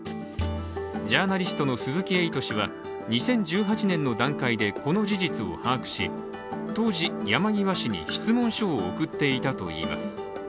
ジャーナリストの鈴木エイト氏は２０１８年の段階で、この事実を把握し、当時山際氏に質問書を送っていたといいます。